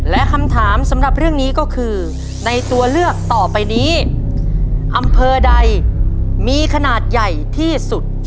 และคำถามสำหรับเรื่องนี้ก็คือในตัวเลือกต่อไปนี้อำเภอใดมีขนาดใหญ่ที่สุด